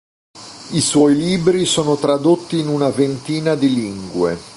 I suoi libri sono tradotti in una ventina di lingue.